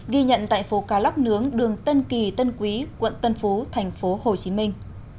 ghi nhận tại phố cá lóc nướng đường tân kỳ tân quý quận tân phú thành phố hồ chí minh